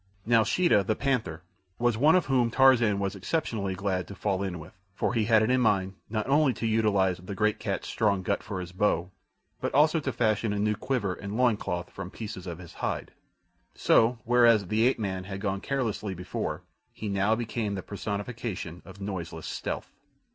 Now Sheeta, the panther, was one whom Tarzan was exceptionally glad to fall in with, for he had it in mind not only to utilize the great cat's strong gut for his bow, but also to fashion a new quiver and loin cloth from pieces of his hide. So, whereas the ape man had gone carelessly before, he now became the personification of noiseless stealth.